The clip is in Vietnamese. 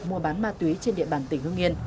mua bán ma túy trên địa bàn tỉnh hương yên